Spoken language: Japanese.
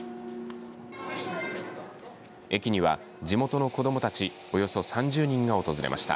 駅には、地元の子どもたちおよそ３０人が訪れました。